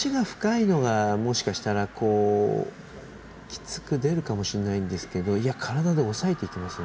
若干、足が深いのがもしかしたらきつく出るかもしれないんですが体で押さえていきますよ